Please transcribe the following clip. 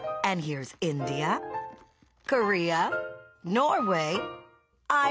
ノルウェー。